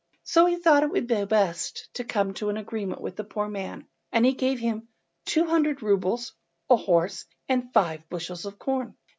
So he thought it would be best to come to an arrangement with the poor man, and he gave him two hundred roubles, a horse, and five bushels of corn.